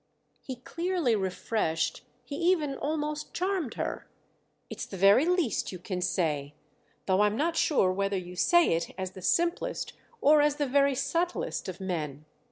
He clearly refreshed, he even almost charmed her. "It's the very least you can say!—though I'm not sure whether you say it as the simplest or as the very subtlest of men.